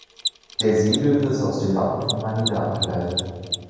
Der Seelöwe ist aus dem Wappen von Manila abgeleitet.